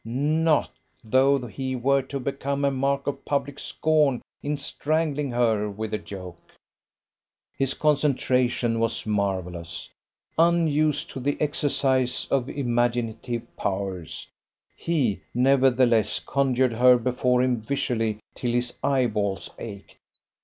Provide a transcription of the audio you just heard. Not though he were to become a mark of public scorn in strangling her with the yoke! His concentration was marvellous. Unused to the exercise of imaginative powers, he nevertheless conjured her before him visually till his eyeballs ached.